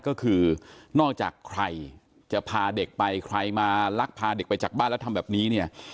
ก็คือนอกจากใครจะพาเด็กไปใครมาลักพาเด็กไปจากบ้านแล้วทำแบบนี้เนี่ย